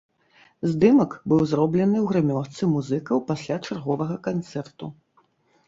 Здымак быў зроблены ў грымёрцы музыкаў пасля чарговага канцэрту.